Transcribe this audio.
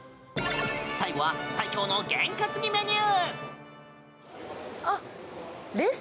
最後は最強のげん担ぎメニュー。